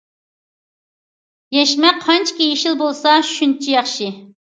يەشمە قانچىكى يېشىل بولسا شۇنچە ياخشى.